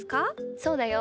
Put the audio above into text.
そうだよ。